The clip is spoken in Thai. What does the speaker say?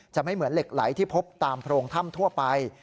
ไม่เหมือนเหล็กไหลที่พบตามโพรงถ้ำทั่วไป